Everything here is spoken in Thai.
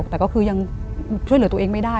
แต่ก็คือยังช่วยเหลือตัวเองไม่ได้